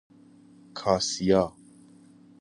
کاسیا